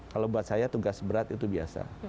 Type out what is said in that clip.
kalau buat saya tugas berat itu biasa